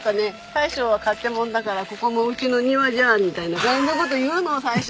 大将は勝手者だから「ここもうちの庭じゃ！」みたいな感じの事言うの最初。